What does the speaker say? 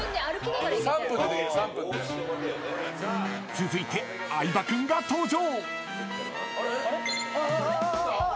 ［続いて相葉君が登場］